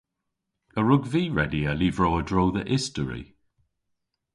A wrug vy redya lyvrow a-dro dhe istori?